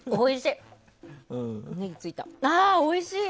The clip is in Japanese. おいしい。